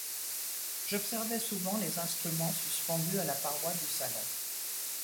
J’observais souvent les instruments suspendus à la paroi du salon.